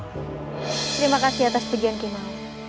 terima kasih atas pegian ki maw